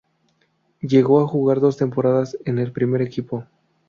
Llegó a jugar dos temporadas en el primer equipo.